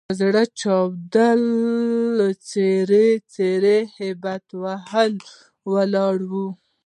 په زړه چاود، څیري څیري هبیت وهلي ولاړ وو.